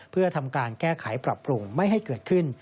เพื่อทำการแก้ไขปรับปรุงไม่ให้เกิดขึ้น